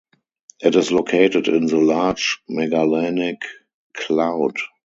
It is located in the Large Magellanic Cloud.